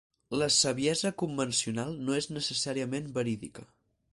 La saviesa convencional no és necessàriament verídica.